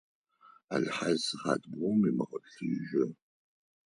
Алхъас сыхьат бгъум мэгъолъыжьы.